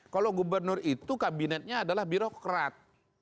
kalau gubernur itu kabinetnya adalah birokrat